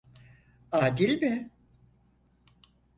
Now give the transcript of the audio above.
Adil mi?